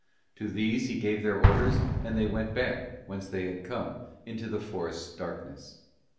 To these he gave their orders and they went back, whence they had come, into the forest's darkness.